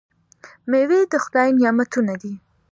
میوې د خدای نعمتونه دي.